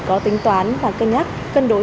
có tính toán và cân nhắc cân đối